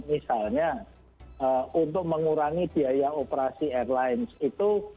misalnya untuk mengurangi biaya operasi airlines itu